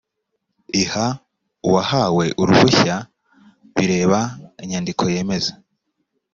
iha uwahawe uruhushya bireba inyandiko yemeza